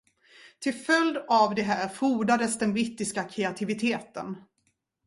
Till följd av det här frodades den brittiska kreativiteten.